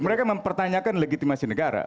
mereka mempertanyakan legitimasi negara